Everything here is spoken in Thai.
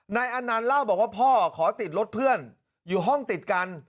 นายอนานเล่าว่าพ่อขอติดรถเพื่อนอยู่ห้องติดกัน